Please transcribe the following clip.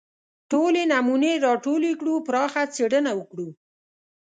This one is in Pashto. ټولې نمونې راټولې کړو پراخه څېړنه وکړو